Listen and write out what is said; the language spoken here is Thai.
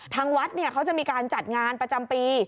ทางวัดเขาจะมีการจัดงานประจำปี